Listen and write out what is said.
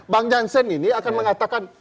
bang jansen ini akan mengatakan